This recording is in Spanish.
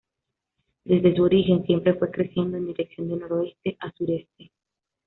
Desde su origen, siempre fue creciendo en dirección de noroeste a sureste.